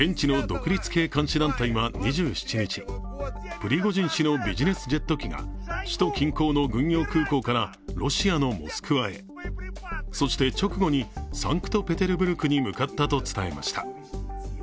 プリゴジン氏のビジネスジェット機が首都近郊の軍用空港からロシアのモスクワへ、そして直後にサンクトペテルブルクに向かったと伝えました。